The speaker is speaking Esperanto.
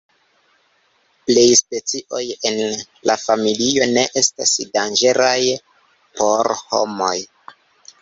Plej specioj en la familio ne estas danĝeraj por homoj.